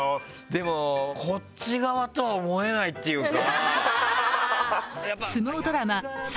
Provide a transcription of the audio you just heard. でもこっち側とは思えないっていうか。